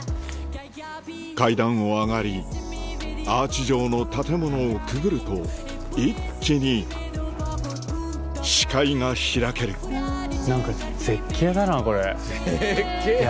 階段を上がりアーチ状の建物をくぐると一気に視界が開ける何か。